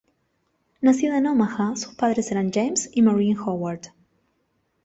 Nacida en Omaha, sus padres eran James y Maureen Howard.